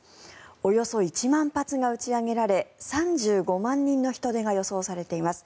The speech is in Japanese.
およそ１万発が打ち上げられ３５万人の人出が予想されています。